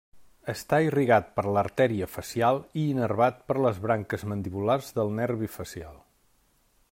Està irrigat per l'artèria facial i innervat per les branques mandibulars del nervi facial.